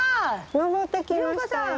登ってきましたよ。